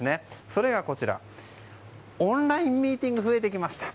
それがオンラインミーティングが増えてきました。